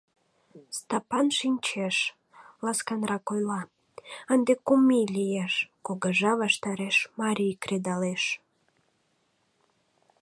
Стопан шинчеш, ласканрак ойла: «Ынде кум ий лиеш — кугыжа ваштареш марий кредалеш.